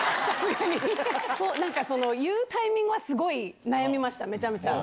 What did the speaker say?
言うタイミングはすごい悩みました、めちゃめちゃ。